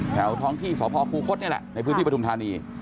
แถวท้องที่สพคูคศนี่แหละในพื้นที่ปฐุมธานี